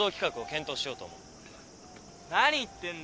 何言ってんだよ。